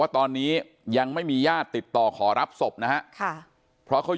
ตอนนี้ยังไม่มีญาติติดต่อขอรับศพนะฮะค่ะเพราะเขา